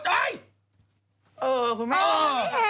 เออคุณแม่เออเอออย่างงี้เห็น